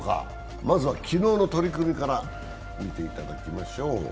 まずは昨日の取組から見ていただきましょう。